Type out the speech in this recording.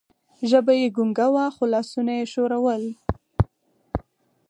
ژبه یې ګونګه وه، خو لاسونه یې ښورول.